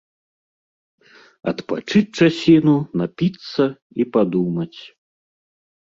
Адпачыць часіну, напіцца і падумаць.